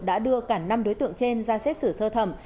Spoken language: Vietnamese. đã đưa cả năm đối tượng trên ra xét xử sơ thẩm